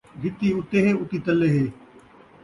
جِتی اُتے ہے، اُتی تلے ہے